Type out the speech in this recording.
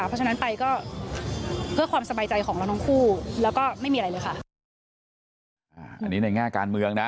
เพราะฉะนั้นไปก็เพื่อความสบายใจของเราทั้งคู่แล้วก็ไม่มีอะไรเลยค่ะ